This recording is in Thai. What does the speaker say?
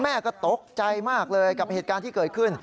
แม่ก็ตกใจมากเลยกับเหตุการณ์ที่เกิดขึ้น